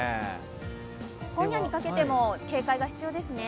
今夜にかけても警戒が必要ですね。